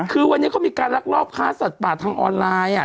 คือวันนี้เขามีการลักลอบค้าสัตว์ป่าทางออนไลน์